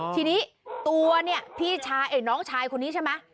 ทีนี้ตัวนี่น้องชายคนนี้ใช่ไหม